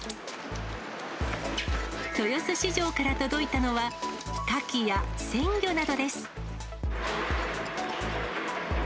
豊洲市場から届いたのは、カキや鮮魚などです。